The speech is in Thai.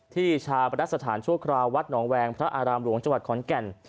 ชาปนสถานชั่วคราววัดหนองแวงพระอารามหลวงจังหวัดขอนแก่น